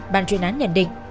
bàn truyền án nhận định